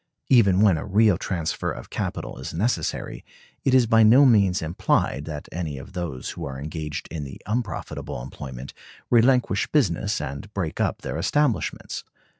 Even when a real transfer of capital is necessary, it is by no means implied that any of those who are engaged in the unprofitable employment relinquish business and break up their establishments.